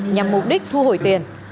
nhằm mục đích thu hồi tiền